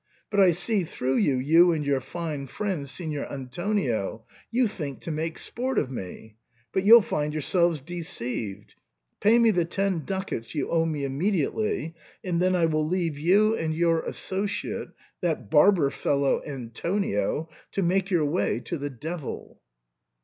But I see through you, you and your fine friend Signor Antonio, you think to make sport of me. But you'll find yourselves deceived. Pay me the ten ducats you owe me immediately, and then I will leave you and your associate, that barber fellow Antonio, to make your way to the devil."